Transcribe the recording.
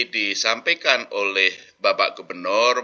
disampaikan oleh bapak gubernur